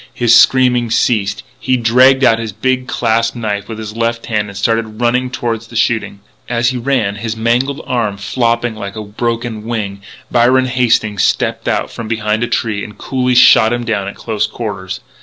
His screaming ceased; he dragged out his big clasp knife with his left hand and started running toward the shooting. As he ran, his mangled arm flopping like a broken wing, Byron Hastings stepped out from behind a tree and coolly shot him down at close quarters.